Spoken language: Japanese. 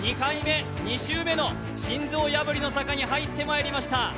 ２周目の心臓破りの坂に入ってまいりました。